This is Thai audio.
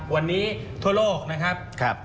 วันนี้ทั่วโลกนะครับ